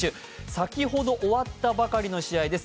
先ほど終わったばかりの試合です。